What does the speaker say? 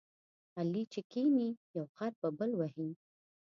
علي چې کېني، یو غر په بل وهي.